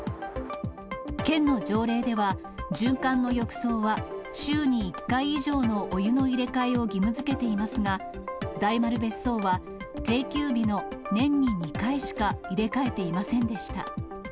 県の条例では、循環の浴槽は、週に１回以上のお湯の入れ替えを義務づけていますが、大丸別荘は、定休日の年に２回しか入れ替えていませんでした。